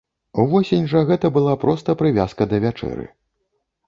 Увосень жа гэта была проста прывязка да вячэры.